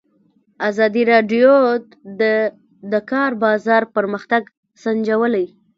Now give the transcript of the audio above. ازادي راډیو د د کار بازار پرمختګ سنجولی.